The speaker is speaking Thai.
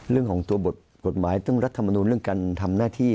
เรื่องของตัวบทกฎหมายเรื่องรัฐมนุนเรื่องการทำหน้าที่